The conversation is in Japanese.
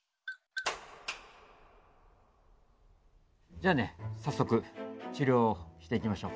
じゃあね早速治療をしていきましょう。